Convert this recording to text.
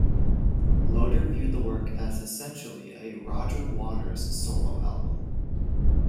Loder viewed the work as "essentially a Roger Waters solo album".